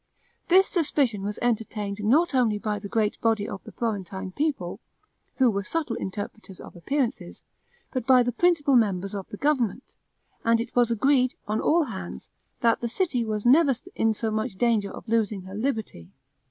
This suspicion was entertained not only by the great body of the Florentine people, who were subtle interpreters of appearances, but by the principal members of the government; and it was agreed, on all hands, that the city never was in so much danger of losing her liberty.